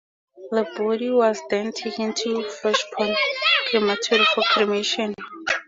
The body was then taken to Fresh Pond Crematory for cremation.